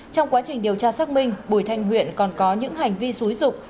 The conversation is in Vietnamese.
trong quá trình điều tra xác minh bùi thanh huyện còn có những hành vi xúi dục